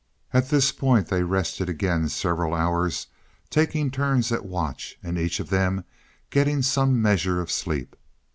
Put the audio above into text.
At this point they rested again several hours, taking turns at watch, and each of them getting some measure of sleep.